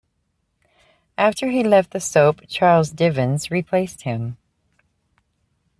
After he left the soap, Charles Divins replaced him.